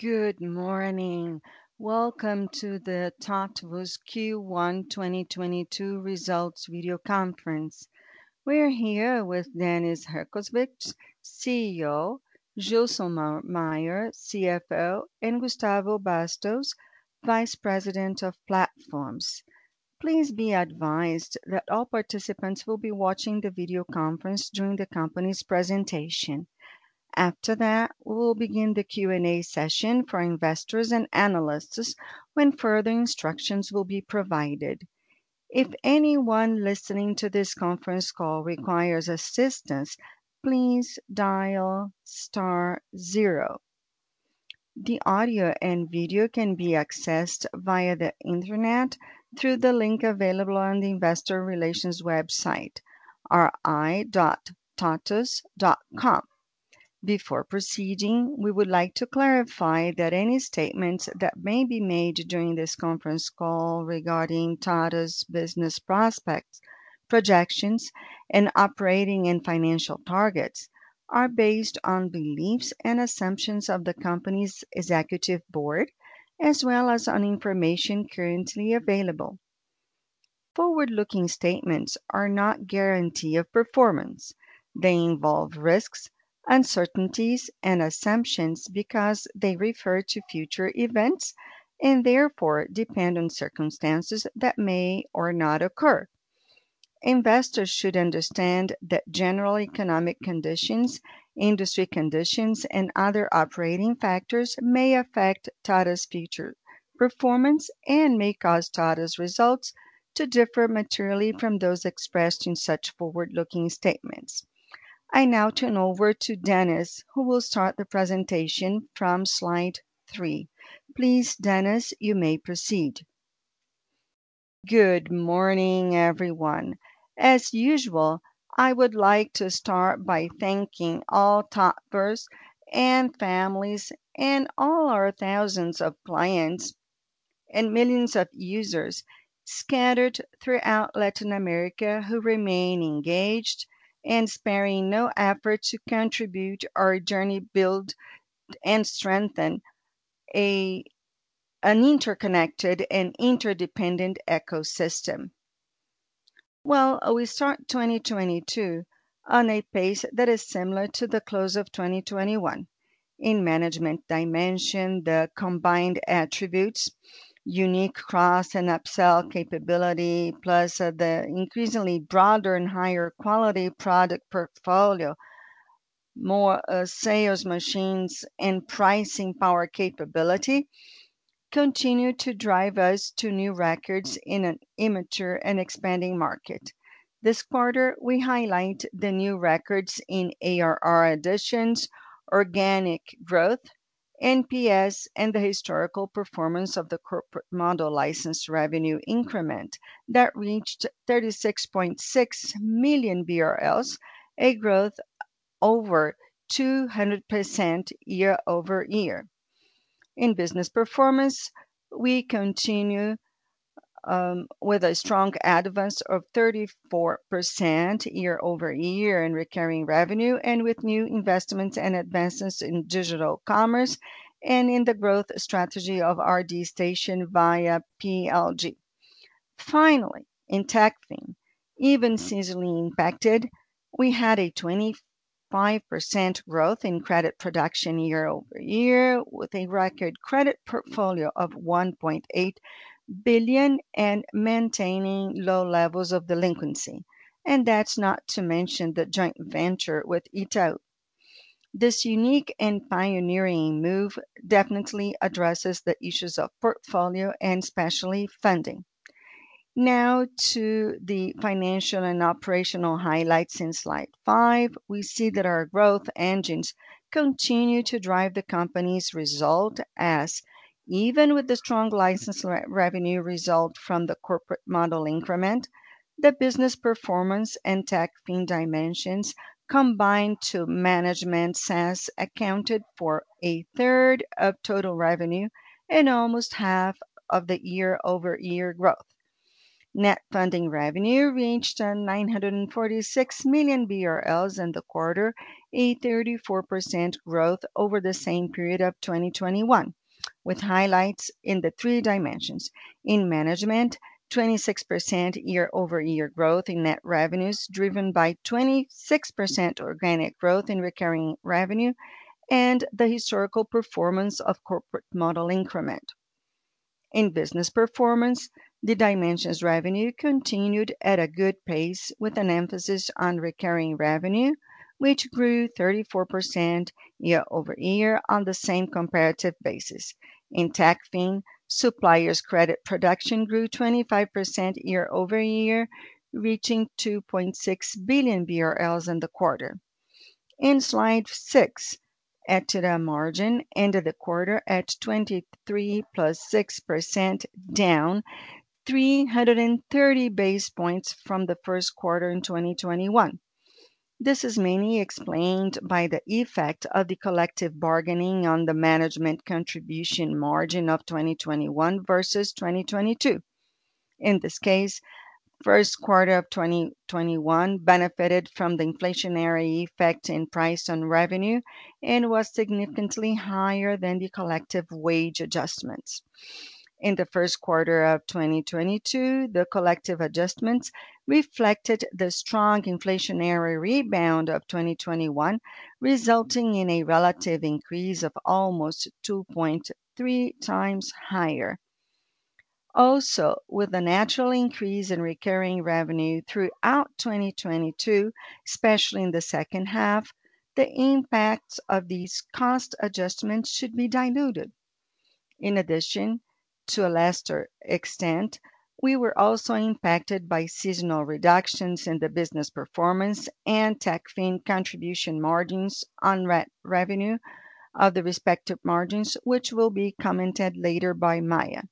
Good morning. Welcome to the TOTVS Q1 2022 results video conference. We're here with Dennis Herszkowicz, CEO, Gilsomar Maia, CFO, and Gustavo Bastos, vice president of platforms. Please be advised that all participants will be watching the video conference during the company's presentation. After that, we will begin the Q&A session for investors and analysts when further instructions will be provided. If anyone listening to this conference call requires assistance, please dial star zero. The audio and video can be accessed via the internet through the link available on the investor relations website, ri.totvs.com. Before proceeding, we would like to clarify that any statements that may be made during this conference call regarding TOTVS business prospects, projections, and operating and financial targets are based on beliefs and assumptions of the company's executive board, as well as on information currently available. Forward-looking statements are not guarantee of performance. They involve risks, uncertainties, and assumptions because they refer to future events and therefore depend on circumstances that may or may not occur. Investors should understand that general economic conditions, industry conditions, and other operating factors may affect TOTVS's future performance and may cause TOTVS's results to differ materially from those expressed in such forward-looking statements. I now turn over to Dennis, who will start the presentation from slide three. Please, Dennis, you may proceed. Good morning, everyone. As usual, I would like to start by thanking all TOTVERs and families and all our thousands of clients and millions of users scattered throughout Latin America who remain engaged and sparing no effort to contribute to our journey to build and strengthen an interconnected and interdependent ecosystem. Well, we start 2022 on a pace that is similar to the close of 2021. In management dimension, the combined attributes, unique cross and upsell capability, plus the increasingly broader and higher quality product portfolio, more sales machines and pricing power capability continue to drive us to new records in an immature and expanding market. This quarter, we highlight the new records in ARR additions, organic growth, NPS, and the historical performance of the corporate model license revenue increment that reached 36.6 million BRL, a growth over 200% year-over-year. In business performance, we continue with a strong advance of 34% year-over-year in recurring revenue and with new investments and advances in digital commerce and in the growth strategy of RD Station via PLG. Finally, in TechFin, even seasonally impacted, we had a 25% growth in credit production year-over-year with a record credit portfolio of 1.8 billion and maintaining low levels of delinquency. That's not to mention the joint venture with Itaú. This unique and pioneering move definitely addresses the issues of portfolio and especially funding. Now to the financial and operational highlights in slide five. We see that our growth engines continue to drive the company's result as even with the strong license revenue result from the corporate model increment, the business performance and TechFin dimensions combined to management SaaS accounted for a third of total revenue and almost half of the year-over-year growth. Net funding revenue reached 946 million BRL in the quarter, a 34% growth over the same period of 2021, with highlights in the three dimensions. In management, 26% year-over-year growth in net revenues driven by 26% organic growth in recurring revenue and the historical performance of corporate model increment. In business performance, the dimensions revenue continued at a good pace with an emphasis on recurring revenue, which grew 34% year-over-year on the same comparative basis. In TechFin, suppliers credit production grew 25% year-over-year, reaching 2.6 billion BRL in the quarter. In slide six, EBITDA margin ended the quarter at 23.6%, down 330 basis points from the Q1 in 2021. This is mainly explained by the effect of the collective bargaining on the management contribution margin of 2021 versus 2022. In this case, Q1 of 2021 benefited from the inflationary effect in price on revenue and was significantly higher than the collective wage adjustments. In the Q1 of 2022, the collective adjustments reflected the strong inflationary rebound of 2021, resulting in a relative increase of almost 2.3 times higher. Also, with a natural increase in recurring revenue throughout 2022, especially in the second half, the impacts of these cost adjustments should be diluted. In addition, to a lesser extent, we were also impacted by seasonal reductions in the business performance and TechFin contribution margins on recurring revenue of the respective margins, which will be commented later by Maia.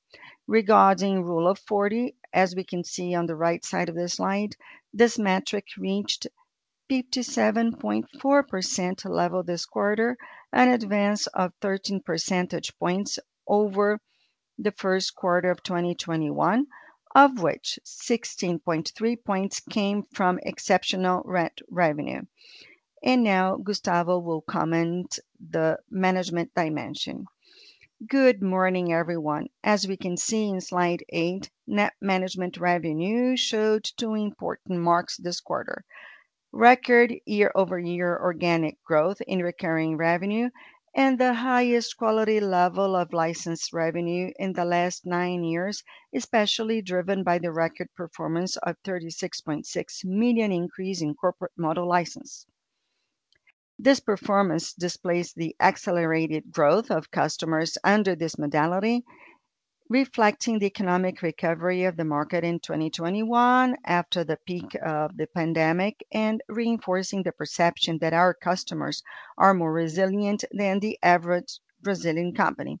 Regarding Rule of 40, as we can see on the right side of the slide, this metric reached 57.4% level this quarter, an advance of 13% points over the Q1 of 2021, of which 16.3 points came from exceptional revenue. Now Gustavo will comment on the management dimension. Good morning, everyone. As we can see in slide eight, net management revenue showed two important marks this quarter. Record year-over-year organic growth in recurring revenue and the highest quality level of licensed revenue in the last nine years, especially driven by the record performance of 36.6 million increase in corporate model license. This performance displays the accelerated growth of customers under this modality, reflecting the economic recovery of the market in 2021 after the peak of the pandemic, and reinforcing the perception that our customers are more resilient than the average Brazilian company.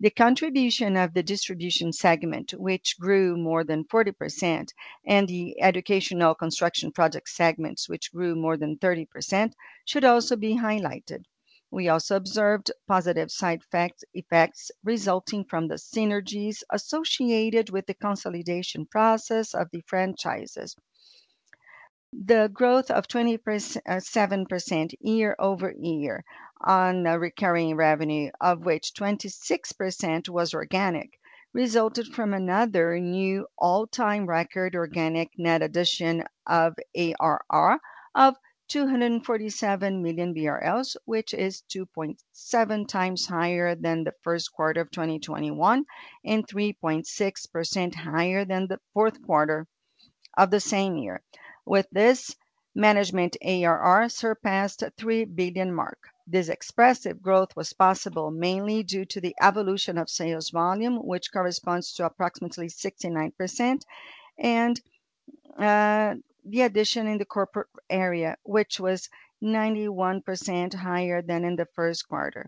The contribution of the distribution segment, which grew more than 40%, and the educational construction project segments, which grew more than 30%, should also be highlighted. We also observed positive side effects resulting from the synergies associated with the consolidation process of the franchises. The growth of 27% year-over-year on recurring revenue, of which 26% was organic, resulted from another new all-time record organic net addition of ARR of 247 million BRL, which is 2.7 times higher than the Q1 of 2021 and 3.6% higher than the Q4 of the same year. With this, management ARR surpassed 3 billion mark. This expressive growth was possible mainly due to the evolution of sales volume, which corresponds to approximately 69%, and the addition in the corporate area, which was 91% higher than in the Q1.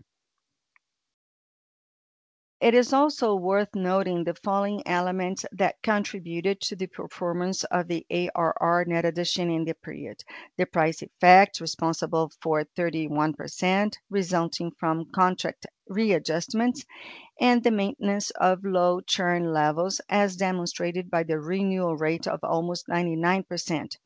It is also worth noting the following elements that contributed to the performance of the ARR net addition in the period. The price effect responsible for 31% resulting from contract readjustments and the maintenance of low churn levels, as demonstrated by the renewal rate of almost 99%.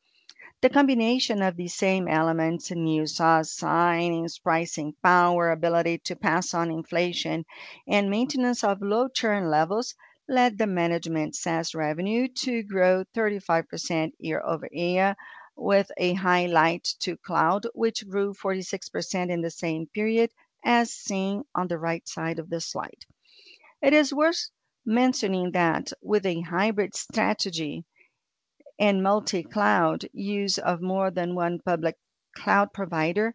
The combination of the same elements, new SaaS signings, pricing power, ability to pass on inflation, and maintenance of low churn levels led the management SaaS revenue to grow 35% year-over-year with a highlight to cloud, which grew 46% in the same period, as seen on the right side of this slide. It is worth mentioning that with a hybrid strategy and multi-cloud use of more than one public cloud provider,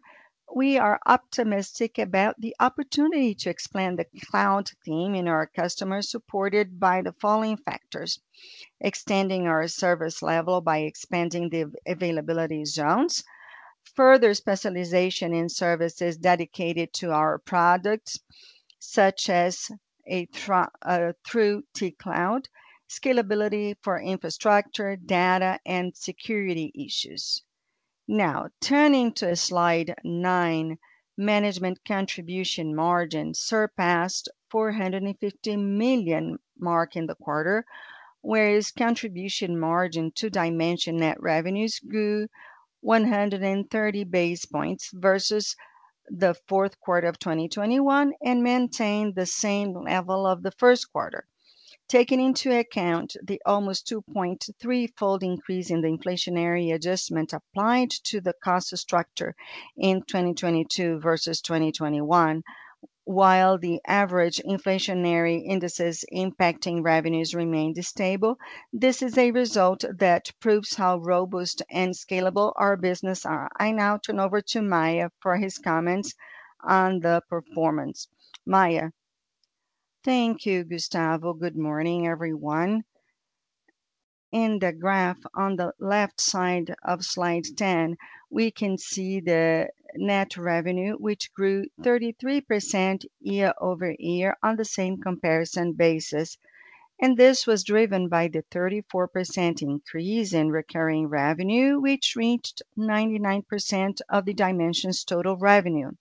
we are optimistic about the opportunity to expand the cloud theme in our customers, supported by the following factors. Extending our service level by expanding the availability zones, further specialization in services dedicated to our products, such as through T-Cloud, scalability for infrastructure, data, and security issues. Now, turning to slide nine, management contribution margin surpassed 450 million mark in the quarter, whereas contribution margin to dimension net revenues grew 130 basis points versus the Q4 of 2021 and maintained the same level of the Q1. Taking into account the almost 2.3-fold increase in the inflationary adjustment applied to the cost structure in 2022 versus 2021, while the average inflationary indices impacting revenues remained stable, this is a result that proves how robust and scalable our business are. I now turn over to Maia for his comments on the performance. Maia. Thank you, Gustavo. Good morning, everyone. In the graph on the left side of slide 10, we can see the net revenue, which grew 33% year-over-year on the same comparison basis. This was driven by the 34% increase in recurring revenue, which reached 99% of the division's total revenue.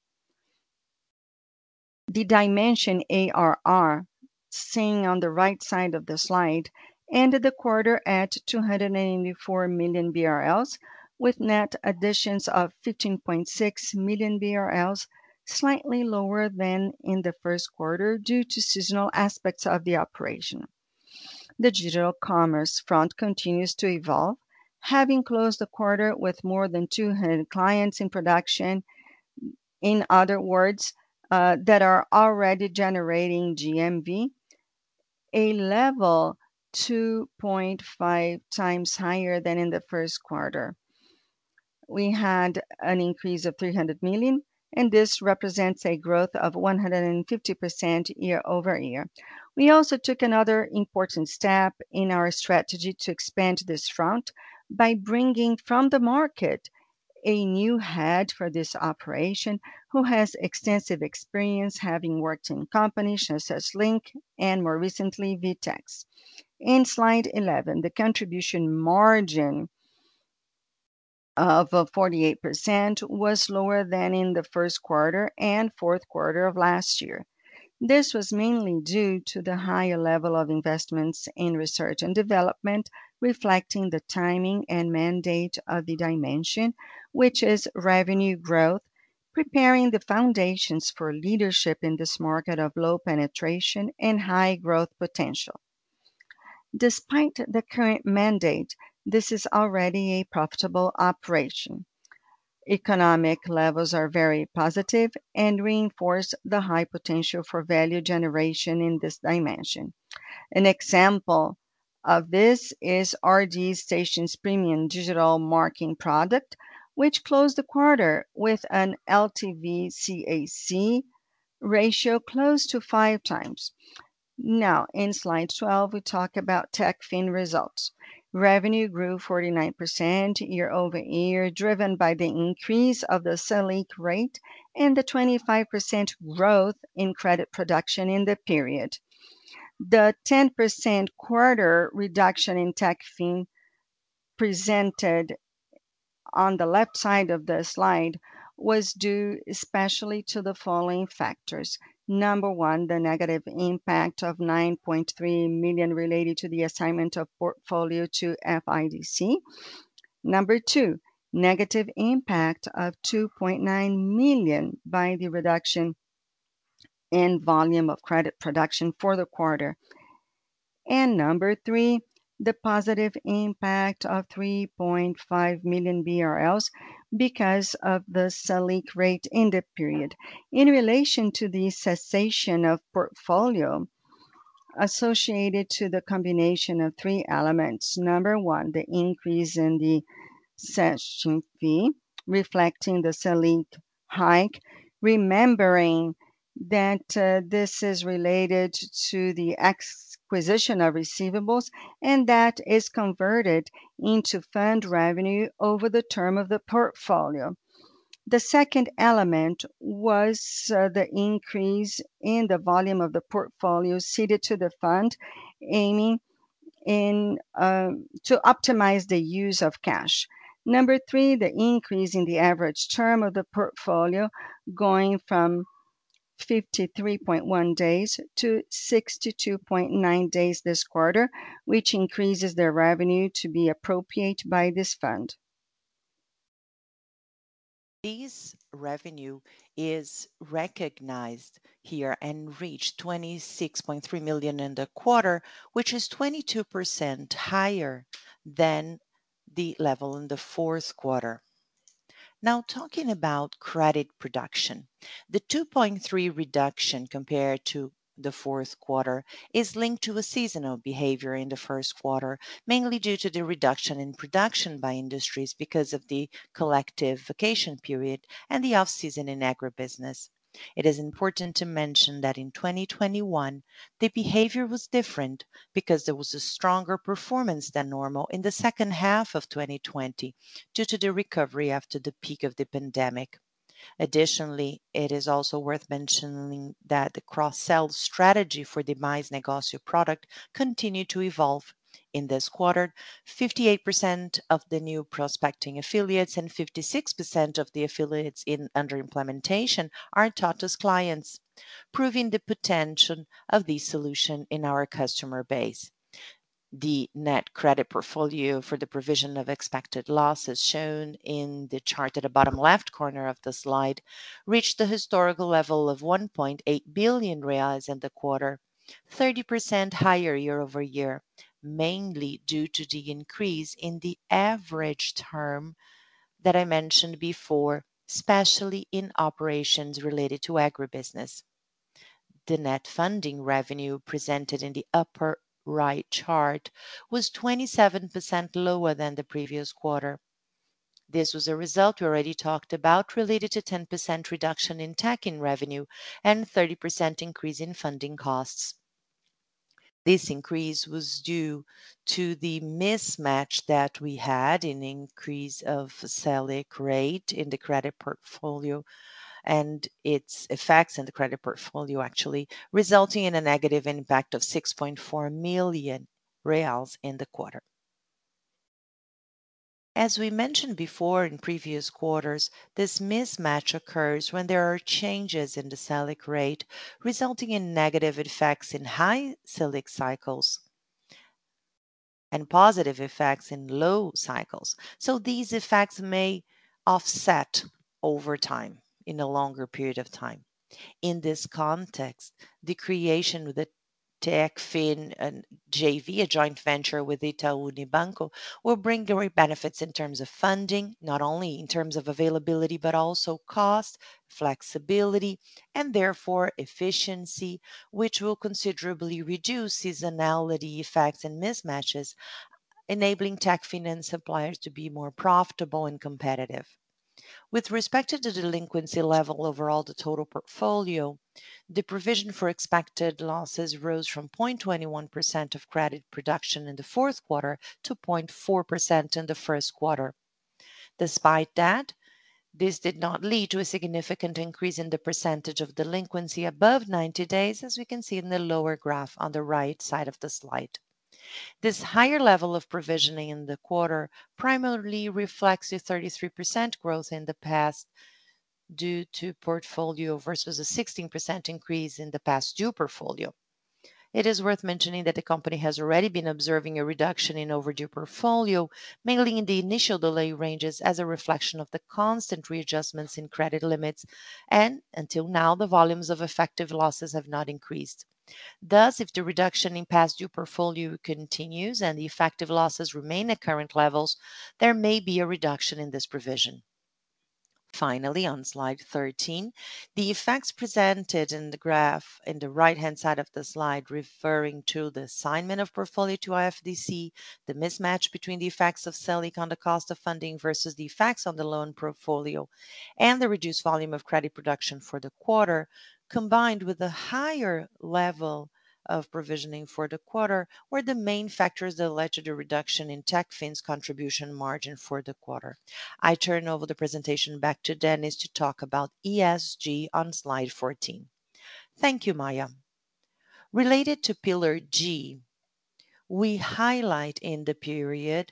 The division ARR, seen on the right side of the slide, ended the quarter at 284 million BRL with net additions of 15.6 million BRL, slightly lower than in the Q1 due to seasonal aspects of the operation. The digital commerce front continues to evolve, having closed the quarter with more than 200 clients in production. In other words, that are already generating GMV, a level 2.5 times higher than in the Q1. We had an increase of 300 million, and this represents a growth of 150% year-over-year. We also took another important step in our strategy to expand this front by bringing from the market a new head for this operation who has extensive experience having worked in companies such as Linx and more recently VTEX. In slide 11, the contribution margin of 48% was lower than in the Q1 and Q4 of last year. This was mainly due to the higher level of investments in research and development, reflecting the timing and mandate of the dimension, which is revenue growth, preparing the foundations for leadership in this market of low penetration and high growth potential. Despite the current mandate, this is already a profitable operation. Economic levels are very positive and reinforce the high potential for value generation in this dimension. An example of this is RD Station's premium digital marketing product, which closed the quarter with an LTV/CAC ratio close to 5 times. Now, in slide 12, we talk about TechFin results. Revenue grew 49% year-over-year, driven by the increase of the Selic rate and the 25% growth in credit production in the period. The 10% quarter reduction in TechFin presented on the left side of the slide was due especially to the following factors. Number one, the negative impact of 9.3 million related to the assignment of portfolio to FIDC. Number two, negative impact of 2.9 million by the reduction in volume of credit production for the quarter. Number three, the positive impact of 3.5 million BRL because of the Selic rate in the period. In relation to the cession of portfolio associated to the combination of three elements. Number one, the increase in the cession fee reflecting the Selic hike, remembering that this is related to the acquisition of receivables and that is converted into fund revenue over the term of the portfolio. The second element was the increase in the volume of the portfolio ceded to the fund, aiming to optimize the use of cash. Number three, the increase in the average term of the portfolio going from 53.1 days to 62.9 days this quarter, which increases the revenue to be appropriated by this fund. Fees revenue is recognized here and reached 26.3 million in the quarter, which is 22% higher than the level in the Q4. Now, talking about credit production. The 2.3 reduction compared to the Q4 is linked to a seasonal behavior in the Q1, mainly due to the reduction in production by industries because of the collective vacation period and the off-season in agribusiness. It is important to mention that in 2021, the behavior was different because there was a stronger performance than normal in the second half of 2020 due to the recovery after the peak of the pandemic. Additionally, it is also worth mentioning that the cross-sell strategy for the Mais Negócio product continued to evolve. In this quarter, 58% of the new prospecting affiliates and 56% of the affiliates in under implementation are TOTVS clients, proving the potential of the solution in our customer base. The net credit portfolio for the provision of expected losses shown in the chart at the bottom left corner of the slide reached the historical level of 1.8 billion reais in the quarter, 30% higher year-over-year, mainly due to the increase in the average term that I mentioned before, especially in operations related to agribusiness. The net funding revenue presented in the upper right chart was 27% lower than the previous quarter. This was a result we already talked about related to 10% reduction in TechFin revenue and 30% increase in funding costs. This increase was due to the mismatch that we had in the increase of Selic rate in the credit portfolio and its effects in the credit portfolio actually resulting in a negative impact of 6.4 million reais in the quarter. As we mentioned before in previous quarters, this mismatch occurs when there are changes in the Selic rate, resulting in negative effects in high Selic cycles and positive effects in low cycles. These effects may offset over time, in a longer period of time. In this context, the creation of the TechFin and JV, a joint venture with Itaú Unibanco, will bring great benefits in terms of funding, not only in terms of availability, but also cost, flexibility, and therefore efficiency, which will considerably reduce seasonality effects and mismatches, enabling TechFin and suppliers to be more profitable and competitive. With respect to the delinquency level of the total portfolio, the provision for expected losses rose from 0.21% of credit production in the Q4 to 0.4% in the Q1. Despite that, this did not lead to a significant increase in the percentage of delinquency above 90 days, as we can see in the lower graph on the right side of the slide. This higher level of provisioning in the quarter primarily reflects the 33% growth in the past due to portfolio versus a 16% increase in the past due portfolio. It is worth mentioning that the company has already been observing a reduction in overdue portfolio, mainly in the initial delay ranges as a reflection of the constant readjustments in credit limits. Until now, the volumes of effective losses have not increased. Thus, if the reduction in past due portfolio continues and the effective losses remain at current levels, there may be a reduction in this provision. Finally, on slide 13, the effects presented in the graph in the right-hand side of the slide referring to the assignment of portfolio to FIDC, the mismatch between the effects of Selic on the cost of funding versus the effects on the loan portfolio, and the reduced volume of credit production for the quarter, combined with the higher level of provisioning for the quarter, were the main factors that led to the reduction in TechFin's contribution margin for the quarter. I turn over the presentation back to Dennis to talk about ESG on slide 14. Thank you, Maia. Related to pillar G, we highlight in the period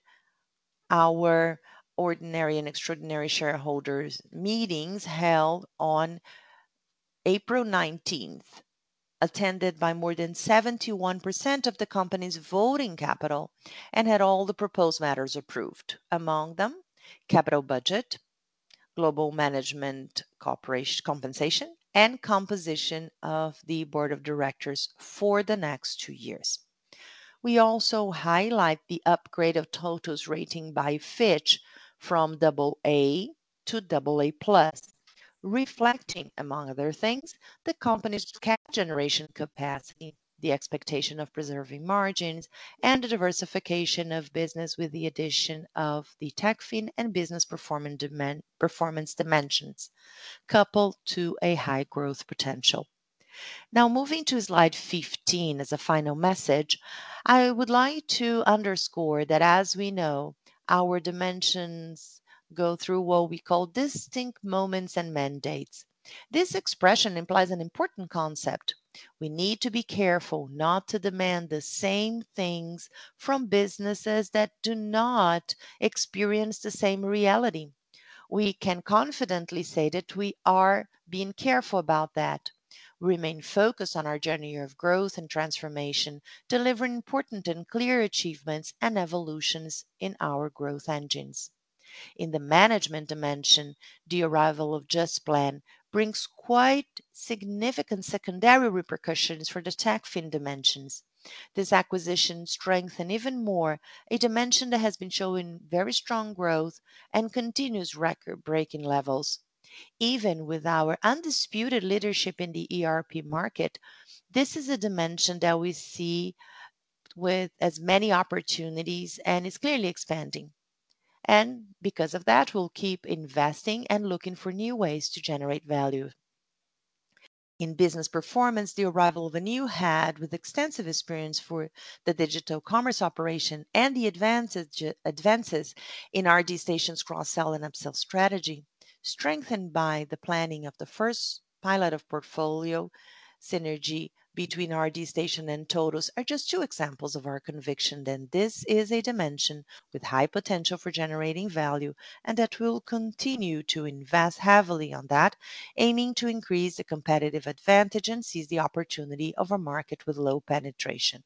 our ordinary and extraordinary shareholders meetings held on April 19, attended by more than 71% of the company's voting capital and had all the proposed matters approved. Among them, capital budget, global management, cooperation, compensation, and composition of the board of directors for the next two years. We also highlight the upgrade of TOTVS rating by Fitch from AA to AA+, reflecting, among other things, the company's cash generation capacity, the expectation of preserving margins, and the diversification of business with the addition of the TechFin and business performance dimensions, coupled to a high growth potential. Now moving to slide 15 as a final message, I would like to underscore that as we know, our dimensions go through what we call distinct moments and mandates. This expression implies an important concept. We need to be careful not to demand the same things from businesses that do not experience the same reality. We can confidently say that we are being careful about that. We remain focused on our journey of growth and transformation, delivering important and clear achievements and evolutions in our growth engines. In the management dimension, the arrival of Gesplan brings quite significant secondary repercussions for the TechFin dimensions. This acquisition strengthen even more a dimension that has been showing very strong growth and continuous record-breaking levels. Even with our undisputed leadership in the ERP market, this is a dimension that we see with as many opportunities and is clearly expanding. Because of that, we'll keep investing and looking for new ways to generate value. In business performance, the arrival of a new head with extensive experience for the digital commerce operation and the advances in RD Station's cross-sell and up-sell strategy, strengthened by the planning of the first pilot of portfolio synergy between RD Station and TOTVS are just two examples of our conviction that this is a dimension with high potential for generating value and that we will continue to invest heavily on that, aiming to increase the competitive advantage and seize the opportunity of a market with low penetration.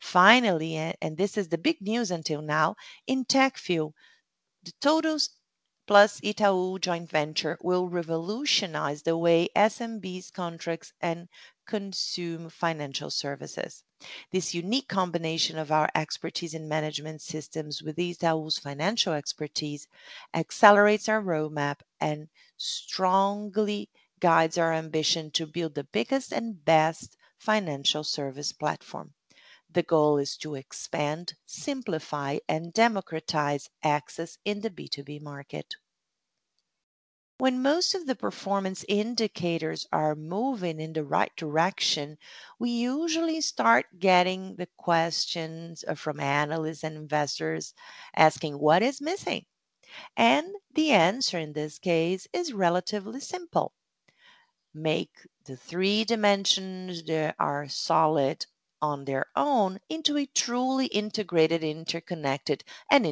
Finally, and this is the big news until now, in TechFin, the TOTVS plus Itaú joint venture will revolutionize the way SMBs contracts and consume financial services. This unique combination of our expertise in management systems with Itaú's financial expertise accelerates our roadmap and strongly guides our ambition to build the biggest and best financial service platform. The goal is to expand, simplify, and democratize access in the B2B market. When most of the performance indicators are moving in the right direction, we usually start getting the questions from analysts and investors asking, "What is missing?" The answer in this case is relatively simple. Make the three dimensions that are solid on their own into a truly integrated, interconnected, and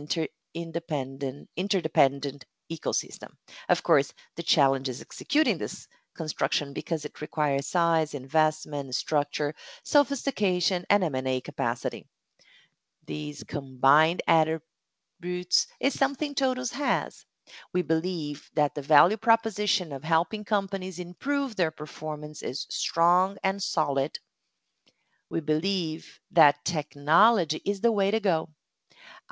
interdependent ecosystem. Of course, the challenge is executing this construction because it requires size, investment, structure, sophistication, and M&A capacity. These combined attributes is something TOTVS has. We believe that the value proposition of helping companies improve their performance is strong and solid. We believe that technology is the way to go.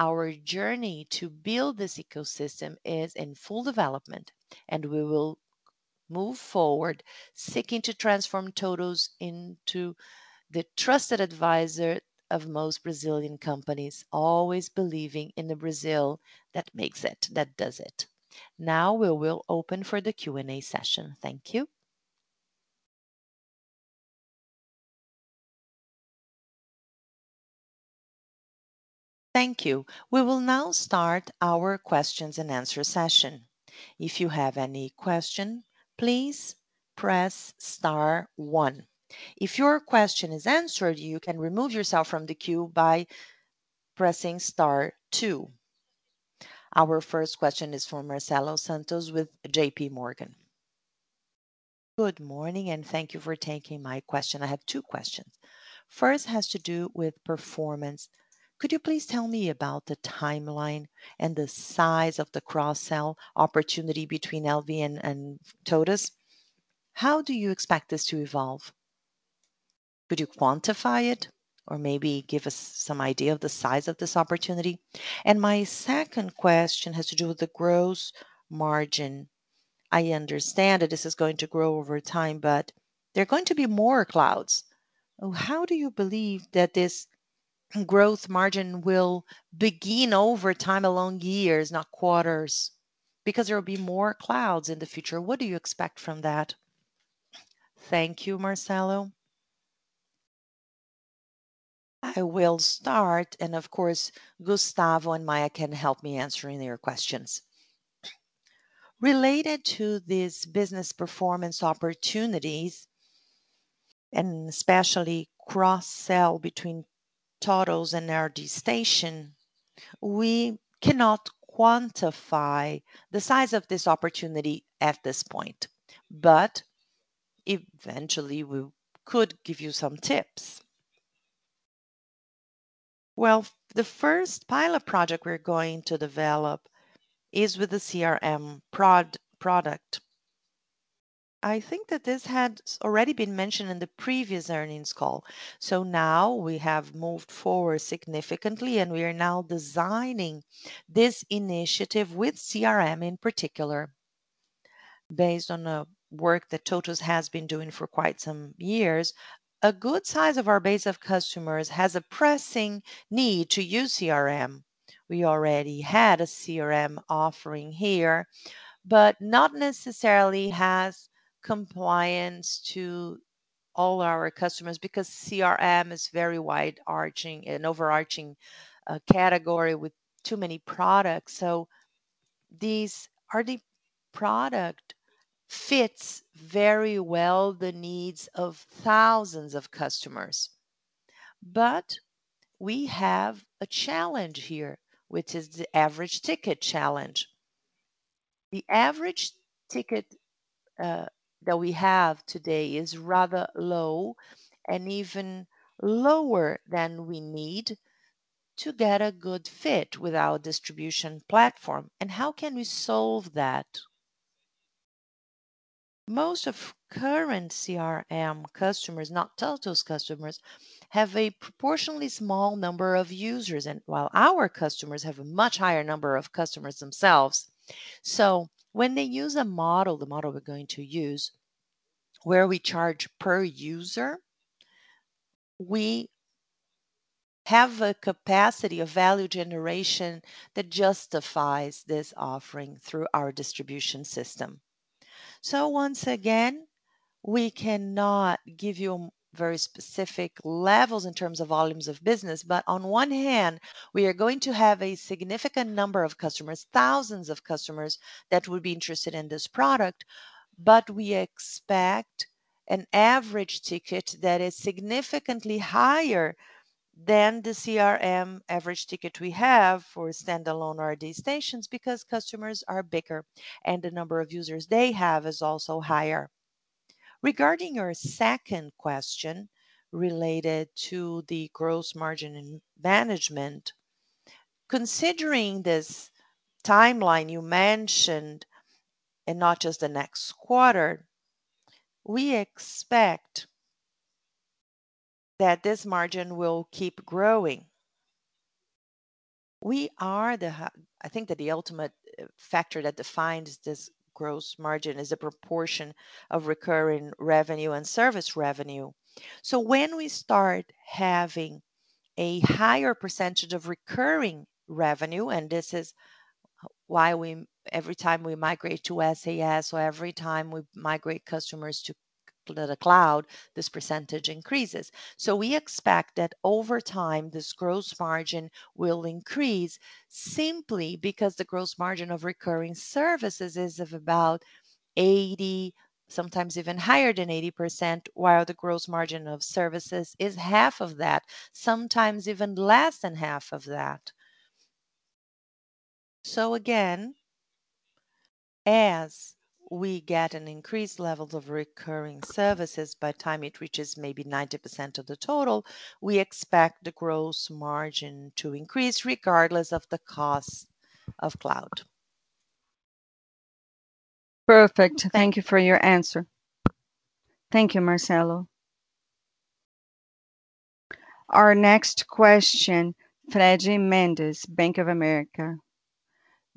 Our journey to build this ecosystem is in full development, and we will move forward seeking to transform TOTVS into the trusted advisor of most Brazilian companies, always believing in the Brazil that makes it, that does it. Now we will open for the Q&A session. Thank you. Thank you. We will now start our questions and answer session. If you have any question, please press star one. If your question is answered, you can remove yourself from the queue by pressing star two. Our first question is from Marcelo Santos with JPMorgan. Good morning, and thank you for taking my question. I have two questions. First has to do with performance. Could you please tell me about the timeline and the size of the cross-sell opportunity between Linx and TOTVS? How do you expect this to evolve? Could you quantify it or maybe give us some idea of the size of this opportunity? My second question has to do with the gross margin. I understand that this is going to grow over time, but there are going to be more clouds. How do you believe that this gross margin will begin over time along years, not quarters? Because there will be more clouds in the future. What do you expect from that? Thank you, Marcelo. I will start, and of course, Gustavo and Maia can help me answering your questions. Related to these business performance opportunities, and especially cross-sell between TOTVS and RD Station, we cannot quantify the size of this opportunity at this point. Eventually, we could give you some tips. Well, the first pilot project we're going to develop is with the CRM product. I think that this had already been mentioned in the previous earnings call. Now we have moved forward significantly, and we are now designing this initiative with CRM in particular, based on the work that TOTVS has been doing for quite some years. A good size of our base of customers has a pressing need to use CRM. We already had a CRM offering here, but not necessarily has compliance to all our customers because CRM is very wide-reaching, an overarching category with too many products. These RD Station product fits very well the needs of thousands of customers. We have a challenge here, which is the average ticket challenge. The average ticket that we have today is rather low and even lower than we need to get a good fit with our distribution platform. How can we solve that? Most current CRM customers, not TOTVS customers, have a proportionally small number of users, while our customers have a much higher number of customers themselves. When they use a model, the model we're going to use, where we charge per user, we have a capacity of value generation that justifies this offering through our distribution system. Once again, we cannot give you very specific levels in terms of volumes of business. On one hand, we are going to have a significant number of customers, thousands of customers that will be interested in this product, but we expect an average ticket that is significantly higher than the CRM average ticket we have for standalone RD Station because customers are bigger and the number of users they have is also higher. Regarding your second question related to the gross margin in management, considering this timeline you mentioned, and not just the next quarter, we expect that this margin will keep growing. I think that the ultimate factor that defines this gross margin is the proportion of recurring revenue and service revenue. When we start having a higher percentage of recurring revenue, and this is why every time we migrate to SaaS or every time we migrate customers to the cloud, this percentage increases. We expect that over time, this gross margin will increase simply because the gross margin of recurring services is of about 80, sometimes even higher than 80%, while the gross margin of services is half of that, sometimes even less than half of that. Again, as we get an increased level of recurring services, by the time it reaches maybe 90% of the total, we expect the gross margin to increase regardless of the cost of cloud. Perfect. Thank you for your answer. Thank you, Marcelo. Our next question, Freddie Mendes, Bank of America.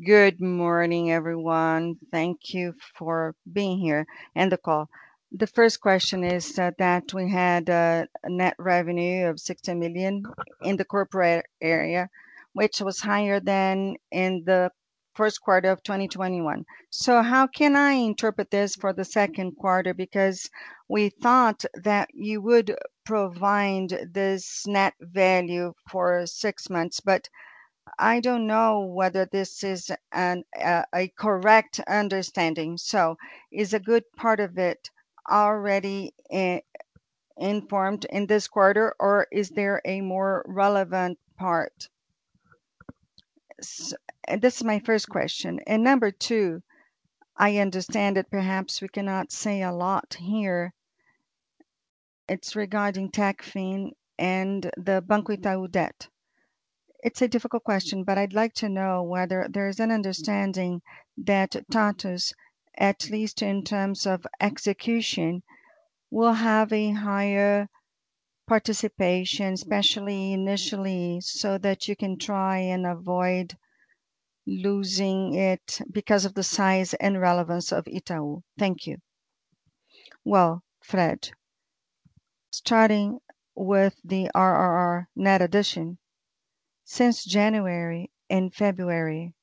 Good morning, everyone. Thank you for being here in the call. The first question is that we had a net revenue of 60 million in the corporate area, which was higher than in the Q1 of 2021. How can I interpret this for the Q2? Because we thought that you would provide this net value for six months, but I don't know whether this is an a correct understanding. Is a good part of it already informed in this quarter, or is there a more relevant part? This is my first question. Number two, I understand that perhaps we cannot say a lot here. It's regarding TechFin and the Banco Itaú debt. It's a difficult question, but I'd like to know whether there's an understanding that TOTVS, at least in terms of execution, will have a higher participation, especially initially, so that you can try and avoid losing it because of the size and relevance of Itaú. Thank you. Well, Fred, starting with the ARR net addition. Since January and February,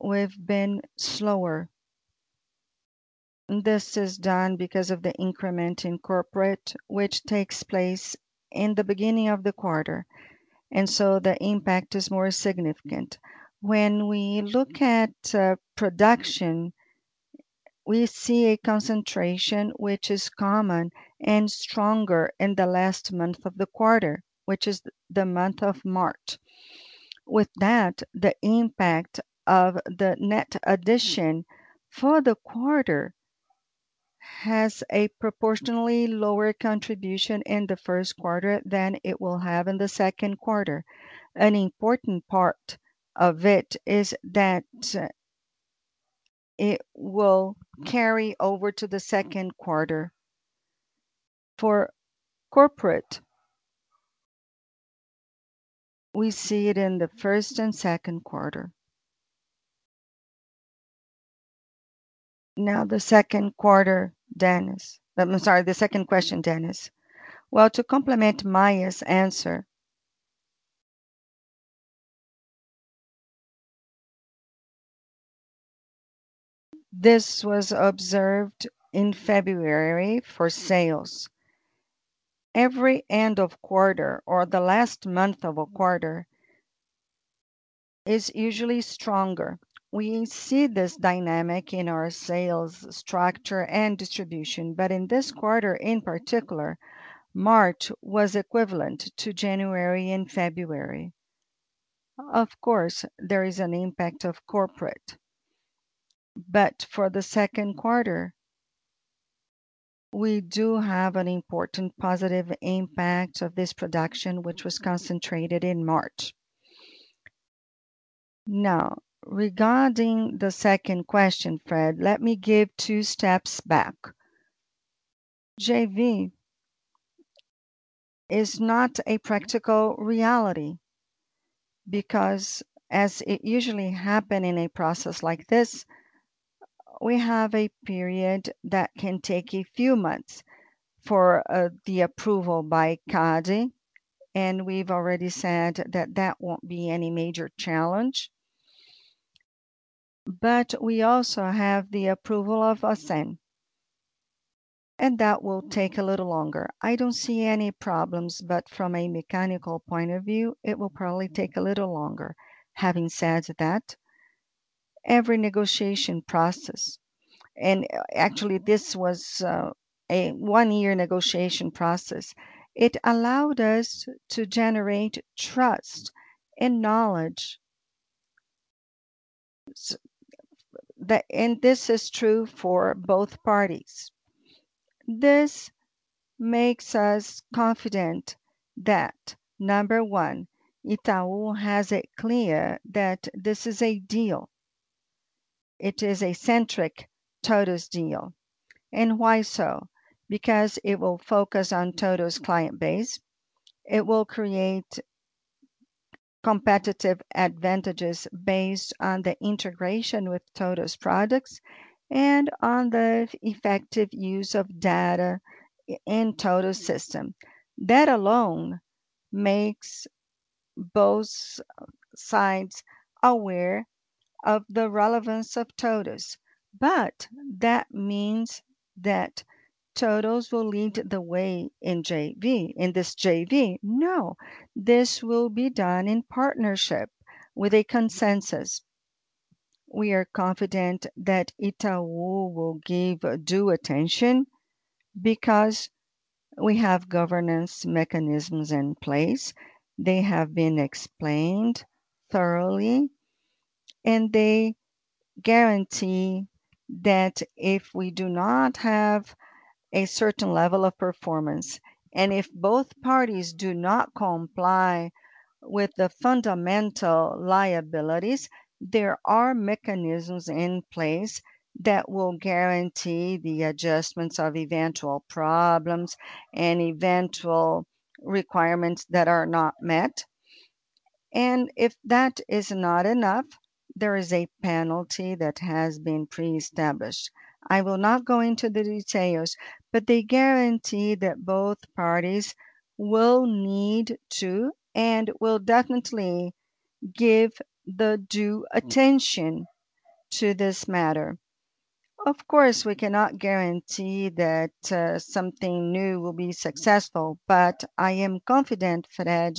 we've been slower. This is done because of the increment in corporate, which takes place in the beginning of the quarter, and so the impact is more significant. When we look at production, we see a concentration which is common and stronger in the last month of the quarter, which is the month of March. With that, the impact of the net addition for the quarter has a proportionally lower contribution in the Q1 than it will have in the Q2. An important part of it is that it will carry over to the Q2. For corporate, we see it in the first and Q2. Now, the Q2, Dennis. I'm sorry, the second question, Dennis. Well, to complement Maia's answer, this was observed in February for sales. Every end of quarter or the last month of a quarter is usually stronger. We see this dynamic in our sales structure and distribution. In this quarter, in particular, March was equivalent to January and February. Of course, there is an impact of corporate. For the Q2, we do have an important positive impact of this production, which was concentrated in March. Now, regarding the second question, Fred, let me give two steps back. JV is not a practical reality because as it usually happens in a process like this, we have a period that can take a few months for the approval by CADE, and we've already said that that won't be any major challenge. We also have the approval of BACEN, and that will take a little longer. I don't see any problems, but from a mechanical point of view, it will probably take a little longer. Having said that, every negotiation process, and actually this was a one-year negotiation process, it allowed us to generate trust and knowledge. This is true for both parties. This makes us confident that, number one, Itaú has it clear that this is a deal. It is a centric TOTVS deal. Why so? Because it will focus on TOTVS client base. It will create competitive advantages based on the integration with TOTVS products and on the effective use of data in TOTVS system. That alone makes both sides aware of the relevance of TOTVS. That means that TOTVS will lead the way in JV, in this JV. No, this will be done in partnership with a consensus. We are confident that Itaú will give due attention because we have governance mechanisms in place. They have been explained thoroughly, and they guarantee that if we do not have a certain level of performance, and if both parties do not comply with the fundamental liabilities, there are mechanisms in place that will guarantee the adjustments of eventual problems and eventual requirements that are not met. If that is not enough, there is a penalty that has been pre-established. I will not go into the details, but they guarantee that both parties will need to and will definitely give the due attention to this matter. Of course, we cannot guarantee that, something new will be successful, but I am confident, Fred,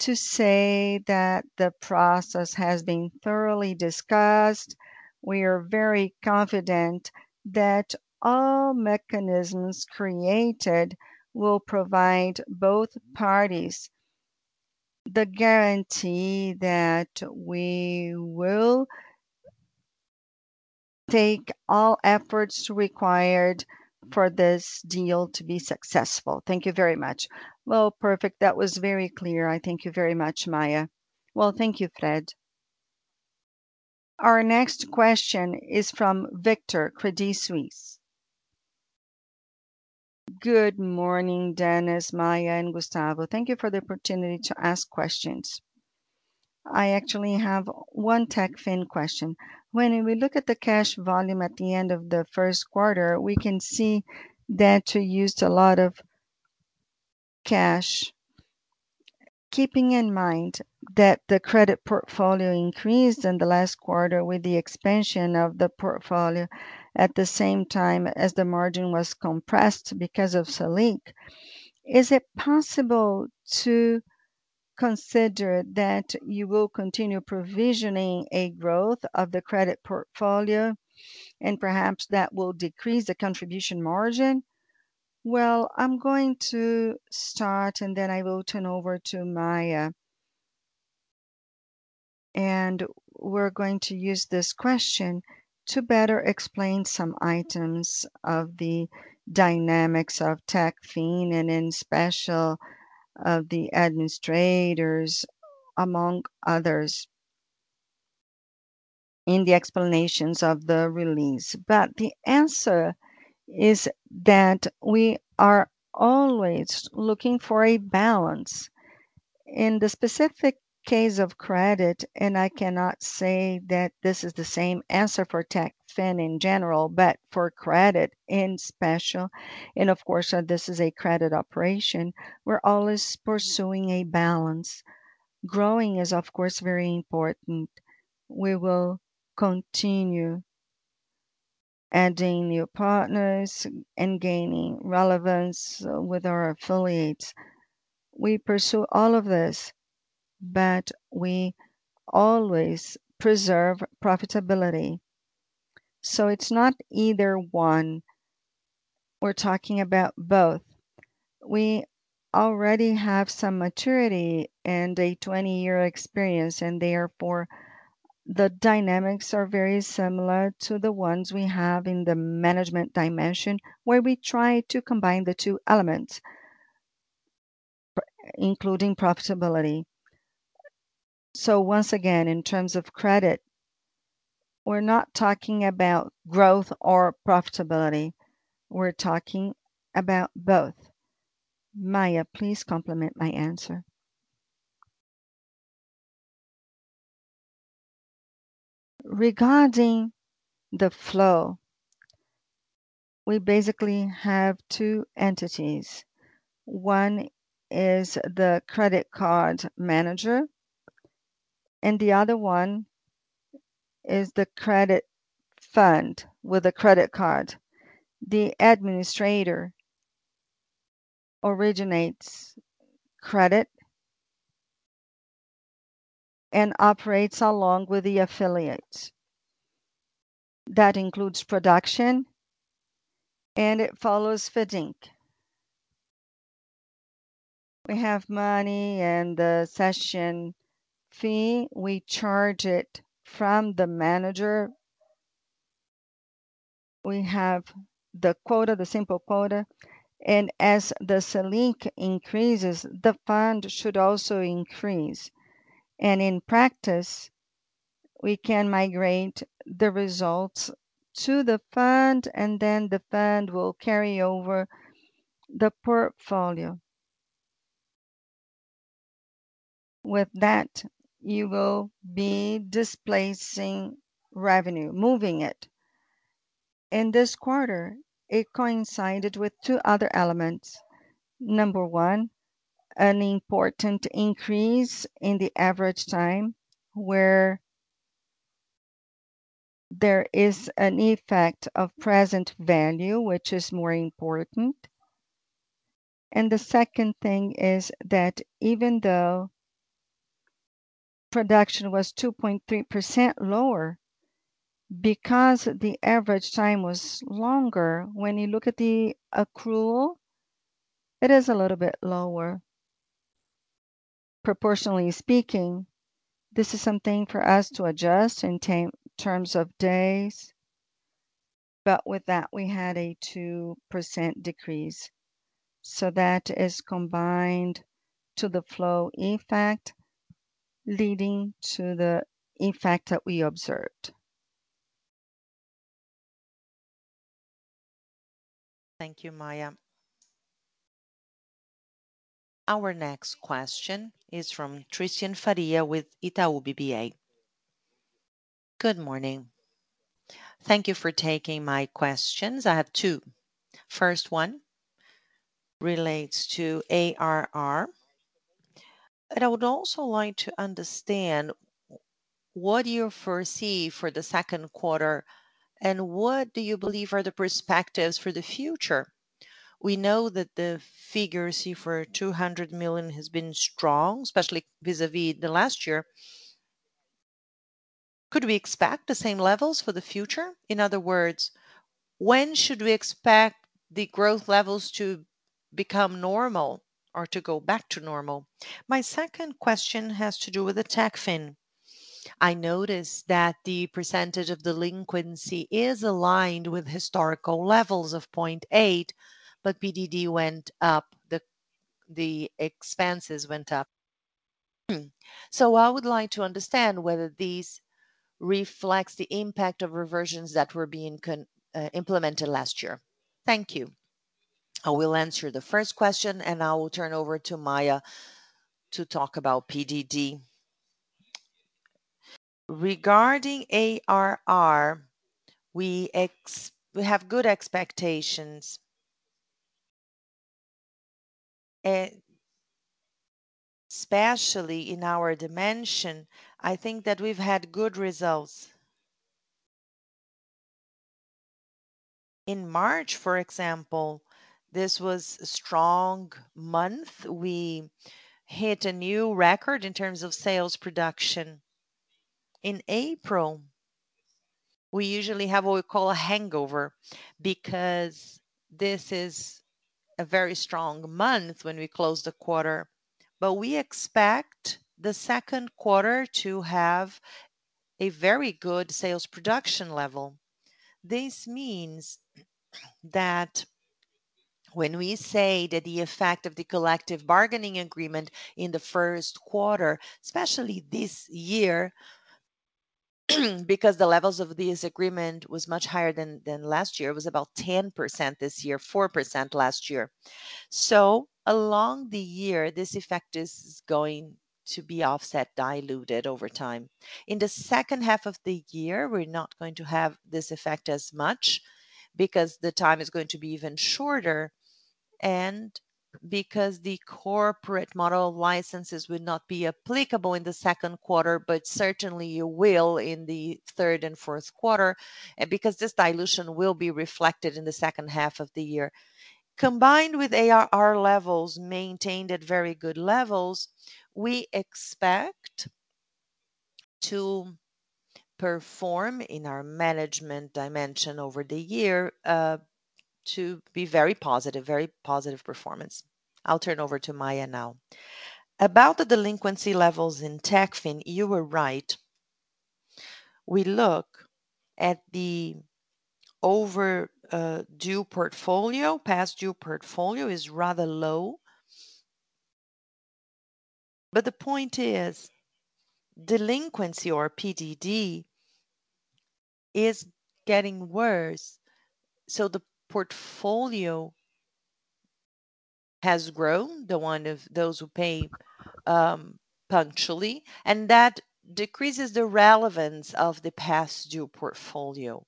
to say that the process has been thoroughly discussed. We are very confident that all mechanisms created will provide both parties the guarantee that we will take all efforts required for this deal to be successful. Thank you very much. Well, perfect. That was very clear. I thank you very much, Maia. Well, thank you, Fred. Our next question is from Victor, Credit Suisse. Good morning, Dennis, Maia and Gustavo. Thank you for the opportunity to ask questions. I actually have one TechFin question. When we look at the cash volume at the end of the Q1, we can see that you used a lot of cash. Keeping in mind that the credit portfolio increased in the last quarter with the expansion of the portfolio at the same time as the margin was compressed because of Selic, is it possible to consider that you will continue provisioning a growth of the credit portfolio and perhaps that will decrease the contribution margin? Well, I'm going to start and then I will turn over to Maia. We're going to use this question to better explain some items of the dynamics of TechFin and especially of the administrators, among others, in the explanations of the release. The answer is that we are always looking for a balance. In the specific case of credit, and I cannot say that this is the same answer for TechFin in general, but for credit in special, and of course, this is a credit operation, we're always pursuing a balance. Growing is, of course, very important. We will continue adding new partners and gaining relevance with our affiliates. We pursue all of this, but we always preserve profitability. It's not either one. We're talking about both. We already have some maturity and a 20-year experience, and therefore, the dynamics are very similar to the ones we have in the management dimension, where we try to combine the two elements, including profitability. Once again, in terms of credit, we're not talking about growth or profitability. We're talking about both. Maia, please complement my answer. Regarding the flow, we basically have two entities. One is the credit card manager, and the other one is the credit fund with a credit card. The administrator originates credit and operates along with the affiliate. That includes production, and it follows FIDC. We have money and the cession fee. We charge it from the manager. We have the quota, the simple quota, and as the Selic increases, the fund should also increase. In practice, we can migrate the results to the fund, and then the fund will carry over the portfolio. With that, you will be displacing revenue, moving it. In this quarter, it coincided with two other elements. Number one, an important increase in the average time where there is an effect of present value, which is more important. The second thing is that even though production was 2.3% lower, because the average time was longer, when you look at the accrual, it is a little bit lower proportionally speaking. This is something for us to adjust in terms of days. With that, we had a 2% decrease. That is combined to the flow effect, leading to the effect that we observed. Thank you, Maia. Our next question is from Thiago Maceira with Itaú BBA. Good morning. Thank you for taking my questions. I have two. First one relates to ARR. I would also like to understand what you foresee for the Q2, and what do you believe are the perspectives for the future? We know that the figures here for 200 million has been strong, especially vis-à-vis the last year. Could we expect the same levels for the future? In other words, when should we expect the growth levels to become normal or to go back to normal? My second question has to do with the TechFin. I noticed that the percentage of delinquency is aligned with historical levels of 0.8%, but PDD went up. The expenses went up. I would like to understand whether this reflects the impact of reversions that were being implemented last year. Thank you. I will answer the first question, and I will turn over to Maia to talk about PDD. Regarding ARR, we have good expectations. Especially in our dimension, I think that we've had good results. In March, for example, this was a strong month. We hit a new record in terms of sales production. In April, we usually have what we call a hangover because this is a very strong month when we close the quarter. We expect the Q2 to have a very good sales production level. This means that when we say that the effect of the collective bargaining agreement in the Q1, especially this year, because the levels of this agreement was much higher than last year, it was about 10% this year, 4% last year. Along the year, this effect is going to be offset, diluted over time. In the second half of the year, we're not going to have this effect as much because the time is going to be even shorter and because the corporate model licenses would not be applicable in the Q2, but certainly will in the third and Q4, and because this dilution will be reflected in the second half of the year. Combined with ARR levels maintained at very good levels, we expect to perform in our management dimension over the year, to be very positive, very positive performance. I'll turn over to Maia now. About the delinquency levels in TechFin, you were right. We look at the overdue portfolio. Past due portfolio is rather low. The point is delinquency or PDD is getting worse, so the portfolio has grown, the one of those who pay punctually, and that decreases the relevance of the past due portfolio.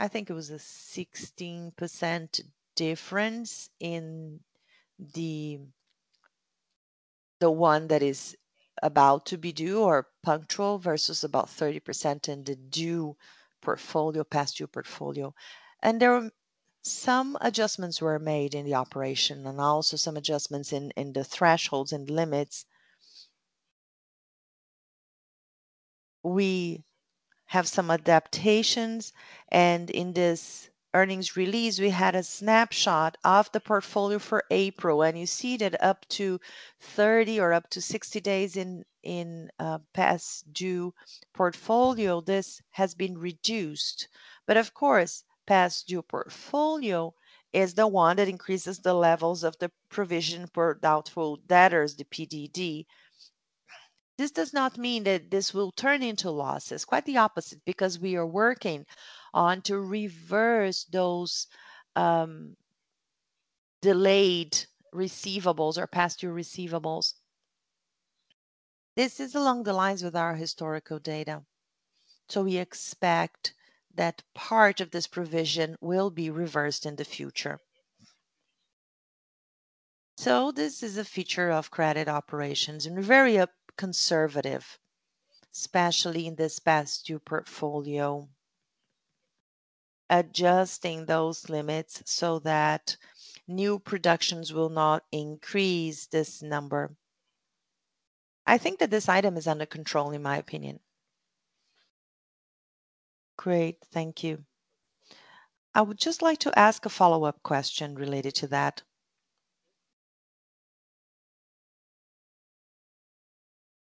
I think it was a 16% difference in the one that is about to be due or punctual versus about 30% in the due portfolio, past due portfolio. There were some adjustments made in the operation and also some adjustments in the thresholds and limits. We have some adaptations, and in this earnings release, we had a snapshot of the portfolio for April, and you see that up to 30 or up to 60 days in past due portfolio, this has been reduced. Of course, past due portfolio is the one that increases the levels of the provision for doubtful debtors, the PDD. This does not mean that this will turn into losses. Quite the opposite, because we are working on to reverse those, delayed receivables or past due receivables. This is along the lines with our historical data. We expect that part of this provision will be reversed in the future. This is a feature of credit operations and very conservative, especially in this past due portfolio. Adjusting those limits so that new productions will not increase this number. I think that this item is under control, in my opinion. Great. Thank you. I would just like to ask a follow-up question related to that.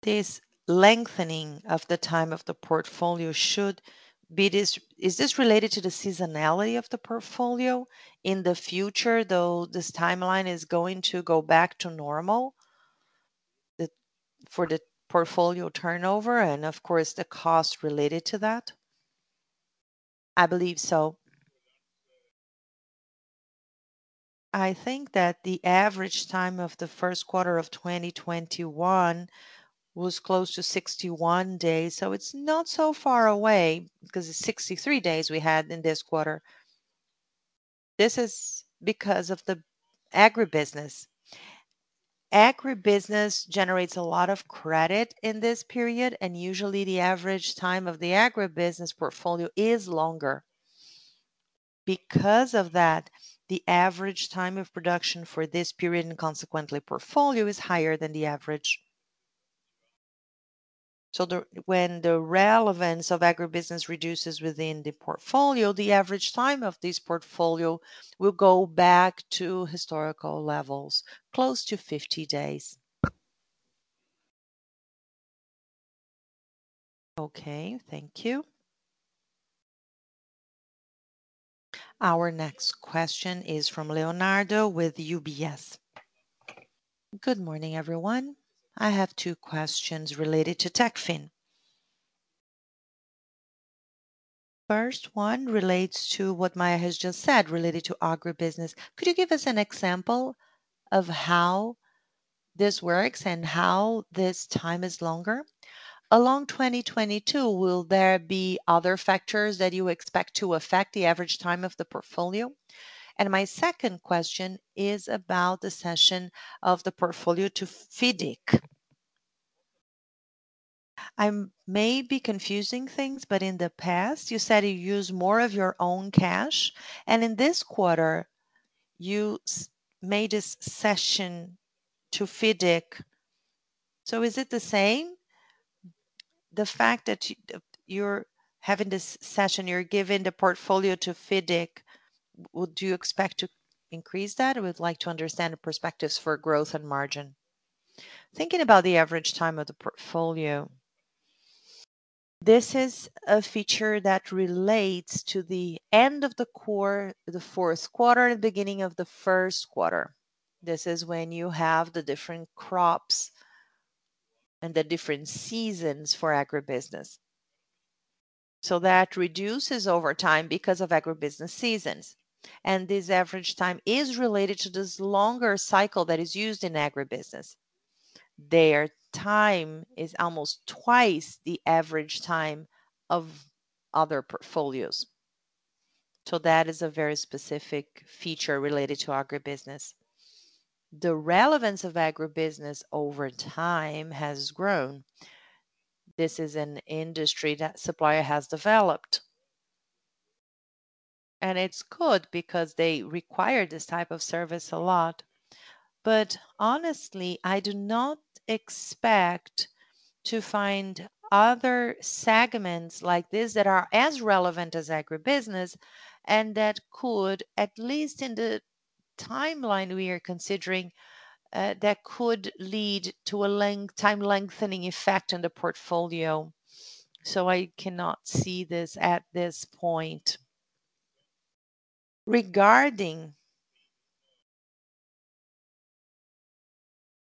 Is this related to the seasonality of the portfolio? In the future, though, this timeline is going to go back to normal for the portfolio turnover and of course, the cost related to that. I believe so. I think that the average time of the Q1 of 2021 was close to 61 days, so it's not so far away because it's 63 days we had in this quarter. This is because of the agribusiness. Agribusiness generates a lot of credit in this period, and usually the average time of the agribusiness portfolio is longer. Because of that, the average time of production for this period, and consequently portfolio, is higher than the average. When the relevance of agribusiness reduces within the portfolio, the average time of this portfolio will go back to historical levels, close to 50 days. Okay, thank you. Our next question is from Leonardo with UBS. Good morning, everyone. I have two questions related to TechFin. First one relates to what Maia has just said related to agribusiness. Could you give us an example of how this works and how this time is longer? In 2022, will there be other factors that you expect to affect the average time of the portfolio? My second question is about the cession of the portfolio to FIDC. I'm maybe confusing things, but in the past, you said you use more of your own cash, and in this quarter, you made a cession to FIDC. Is it the same? The fact that you're having this cession, you're giving the portfolio to FIDC, would you expect to increase that? I would like to understand the perspectives for growth and margin. Thinking about the average time of the portfolio, this is a feature that relates to the end of the Q4, beginning of the Q1. This is when you have the different crops and the different seasons for agribusiness. That reduces over time because of agribusiness seasons. This average time is related to this longer cycle that is used in agribusiness. Their time is almost twice the average time of other portfolios. That is a very specific feature related to agribusiness. The relevance of agribusiness over time has grown. This is an industry that suppliers have developed. It's good because they require this type of service a lot. Honestly, I do not expect to find other segments like this that are as relevant as agribusiness and that could, at least in the timeline we are considering, lead to a lengthening effect on the portfolio. I cannot see this at this point. Regarding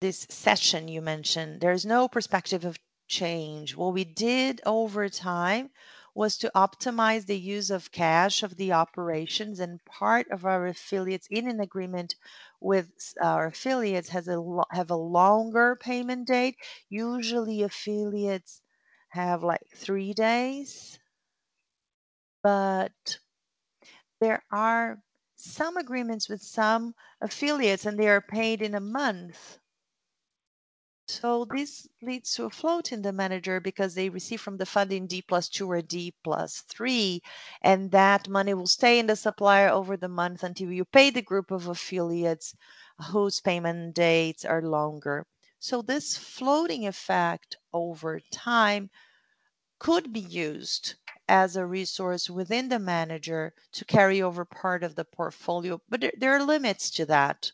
this session you mentioned, there is no perspective of change. What we did over time was to optimize the use of cash of the operations, and part of our affiliates in an agreement with our affiliates have a longer payment date. Usually affiliates have, like, three days, but there are some agreements with some affiliates, and they are paid in a month. This leads to a float in the manager because they receive from the funding D+2 or D+3, and that money will stay in the supplier over the month until you pay the group of affiliates whose payment dates are longer. This floating effect over time could be used as a resource within the manager to carry over part of the portfolio, but there are limits to that.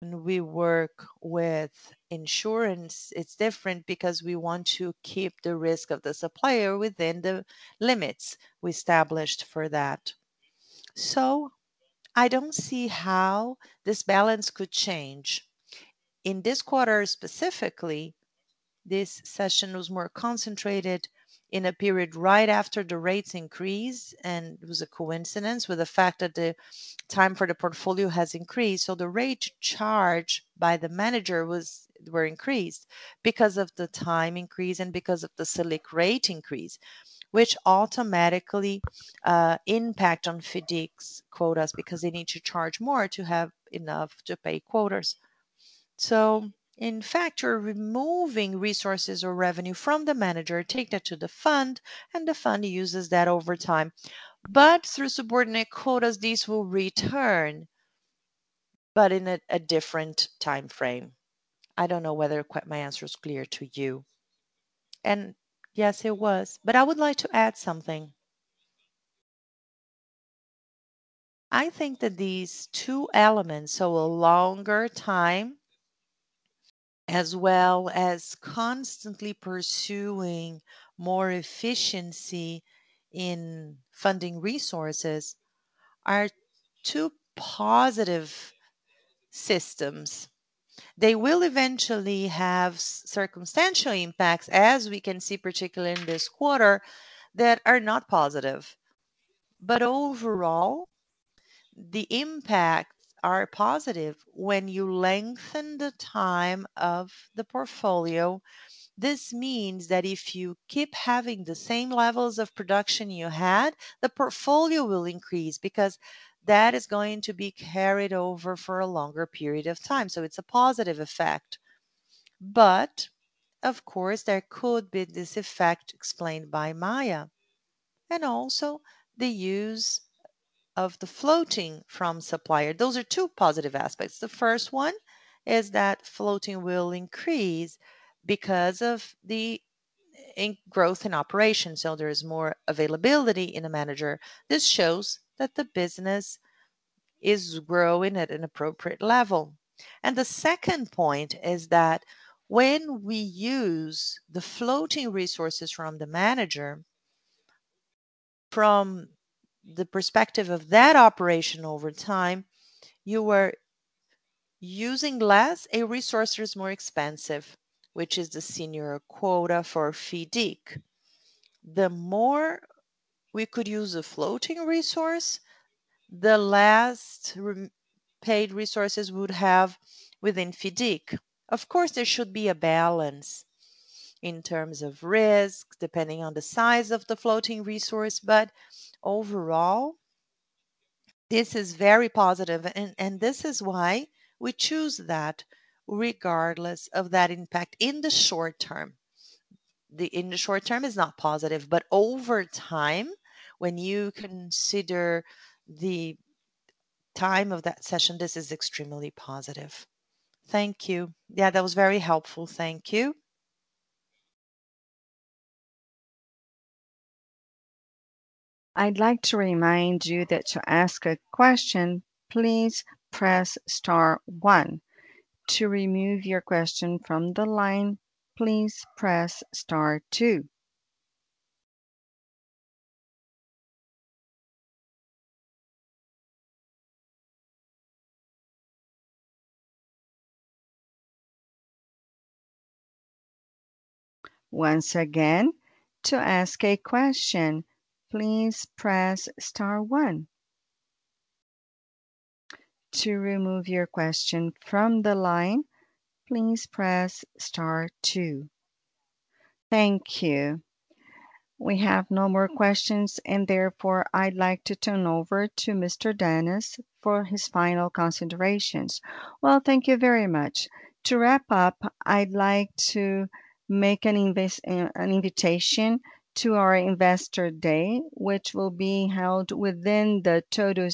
When we work with insurance, it's different because we want to keep the risk of the supplier within the limits we established for that. I don't see how this balance could change. In this quarter specifically, this session was more concentrated in a period right after the rates increased, and it was a coincidence with the fact that the time for the portfolio has increased. The rate charged by the manager was increased because of the time increase and because of the Selic rate increase, which automatically impacts on FIDC's quotas because they need to charge more to have enough to pay quotas. In fact, you're removing resources or revenue from the manager, take that to the fund, and the fund uses that over time. Through subordinate quotas, these will return, but in a different timeframe. I don't know whether my answer is clear to you. Yes, it was. I would like to add something. I think that these two elements, so a longer time as well as constantly pursuing more efficiency in funding resources, are two positive systems. They will eventually have short-term impacts, as we can see particularly in this quarter, that are not positive. Overall, the impacts are positive. When you lengthen the time of the portfolio, this means that if you keep having the same levels of production you had, the portfolio will increase because that is going to be carried over for a longer period of time, so it's a positive effect. Of course, there could be this effect explained by Maia, and also the use of the floating from supplier. Those are two positive aspects. The first one is that floating will increase because of the increasing growth in operations, so there is more availability in the manager. This shows that the business is growing at an appropriate level. The second point is that when we use the floating resources from the manager, from the perspective of that operation over time, you are using less, a resource that is more expensive, which is the senior quota for FIDC. The more we could use a floating resource, the less repaid resources we would have within FIDC. Of course, there should be a balance in terms of risk, depending on the size of the floating resource, but overall, this is very positive and this is why we choose that regardless of that impact in the short term. In the short term, it's not positive, but over time, when you consider the time of that session, this is extremely positive. Thank you. Yeah, that was very helpful. Thank you. I'd like to remind you that to ask a question, please press star one. To remove your question from the line, please press star two. Once again, to ask a question, please press star one. To remove your question from the line, please press star two. Thank you. We have no more questions, and therefore, I'd like to turn over to Mr. Dennis Herszkowicz for his final considerations. Well, thank you very much. To wrap up, I'd like to make an invitation to our Investor Day, which will be held within the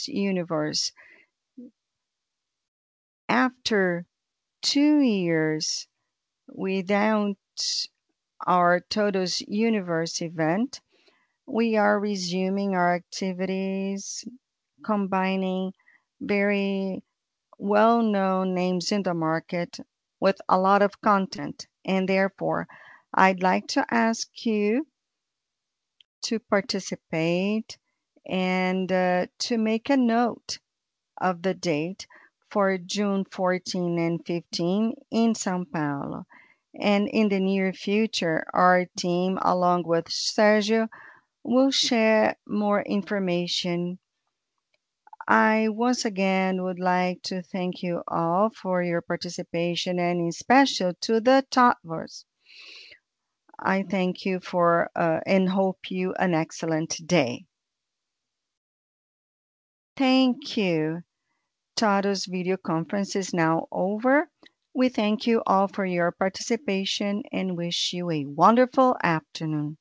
Universo TOTVS. After two years without our Universo TOTVS event, we are resuming our activities, combining very well-known names in the market with a lot of content. Therefore, I'd like to ask you to participate and, to make a note of the date for June 14 and 15 in São Paulo. In the near future, our team, along with Sérgio, will share more information. I once again would like to thank you all for your participation, and especially to TOTVS. I thank you for, and hope you have an excellent day. Thank you. TOTVS video conference is now over. We thank you all for your participation and wish you a wonderful afternoon.